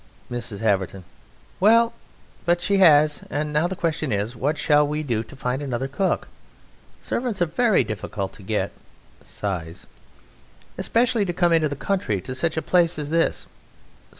_) MRS. HAVERTON: Well, but she has, and now the question is, What shall we do to find another cook? Servants are very difficult to get. Especially to come into the country To such a place as this.